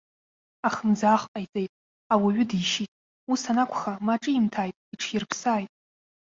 Ахымӡаах ҟаиҵеит, ауаҩы дишьит, ус анакәха, ма ҿимҭааит, иҽирԥсааит.